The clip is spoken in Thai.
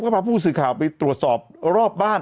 ก็พาผู้สื่อข่าวไปตรวจสอบรอบบ้าน